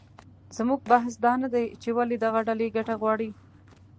زموږ بحث دا نه دی چې ولې دغه ډلې ګټه غواړي